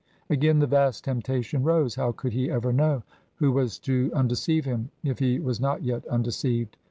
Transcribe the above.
Again the vast temptation rose. How could he ever know? Who was to undeceive him, if he was not yet undeceived?